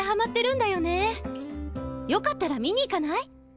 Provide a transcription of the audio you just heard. よかったら見に行かない？